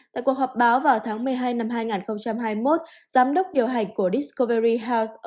tại cuộc họp báo vào tháng một mươi hai năm hai nghìn hai mươi một giám đốc điều hành của discowy house